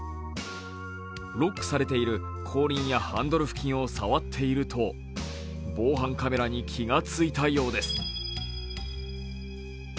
ロックされている後輪やハンドル付近を触っていると、防犯カメラに気が付いたようです。